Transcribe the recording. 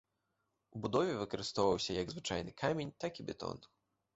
У будове выкарыстоўваўся як звычайны камень, так і бетон.